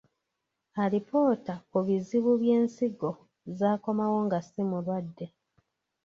Alipoota ku bizibu by'ensigo zaakomawo nga si mulwadde.